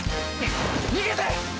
逃げて！